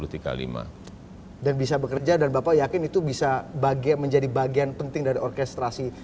dan bisa bekerja dan bapak yakin itu bisa menjadi bagian penting dari orkestrasi